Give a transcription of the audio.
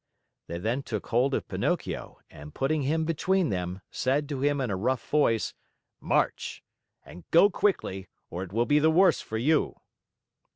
They then took hold of Pinocchio and, putting him between them, said to him in a rough voice: "March! And go quickly, or it will be the worse for you!"